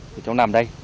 thì cháu nằm đây